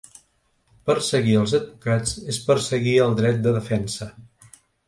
Perseguir als advocats és perseguir el dret de defensa.